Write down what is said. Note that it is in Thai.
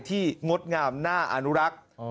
งดงามน่าอนุรักษ์